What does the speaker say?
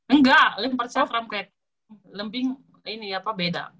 enggak lempar cakram kayak lembing ini apa beda